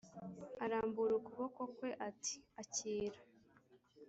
arambura ukuboko kwe ati akira.